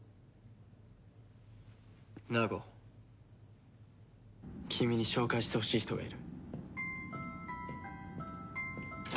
ナーゴ君に紹介してほしい人がいる。